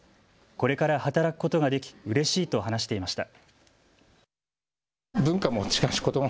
これから働くことができうれしいと話していました。